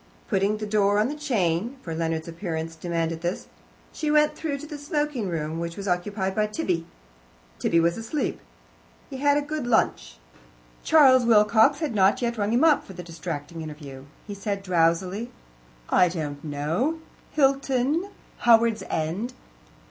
Putting the door on the chain for Leonard's appearance demanded this she went through to the smoking room, which was occupied by Tibby. Tibby was asleep. He had had a good lunch. Charles Wilcox had not yet rung him up for the distracting interview. He said drowsily: "I don't know. Hilton. Howards End.